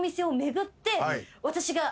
私が。